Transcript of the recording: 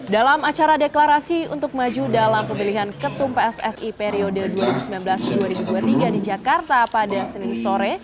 dalam acara deklarasi untuk maju dalam pemilihan ketum pssi periode dua ribu sembilan belas dua ribu dua puluh tiga di jakarta pada senin sore